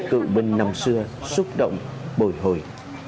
cựu binh năm xưa xúc động bồi hồi